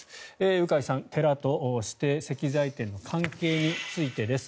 鵜飼さん、寺と指定石材店の関係についてです。